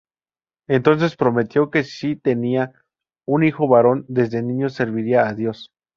Entonces prometió que si tenía un hijo varón desde niño serviría a Dios.